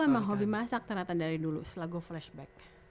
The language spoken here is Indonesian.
gue tuh emang hobi masak ternyata dari dulu setelah gue flashback